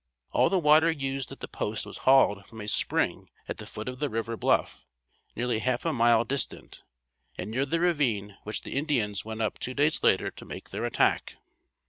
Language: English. All the water used at the post was hauled from a spring at the foot of the river bluff, nearly half a mile distant, and near the ravine which the Indians went up two days later to make their attack.